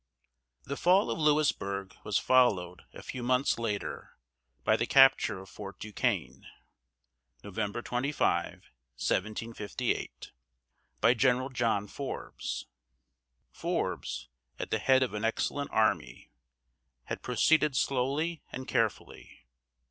The fall of Louisburg was followed a few months later by the capture of Fort Duquesne (November 25, 1758), by General John Forbes. Forbes, at the head of an excellent army, had proceeded slowly and carefully.